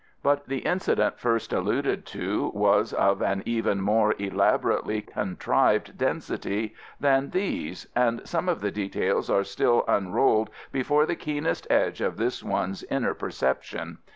But the incident first alluded to was of an even more elaborately contrived density than these, and some of the details are still unrolled before the keenest edge of this one's inner perception.